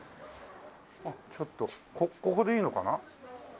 ちょっとここでいいのかな？